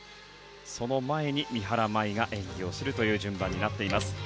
その前に三原舞依が演技をするという順番になっています。